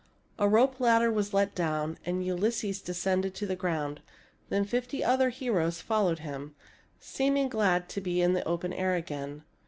A rope ladder was let down, and Ulysses de scended to the ground. Then fifty other heroes fol lowed him, seeming glad to be in the open air again.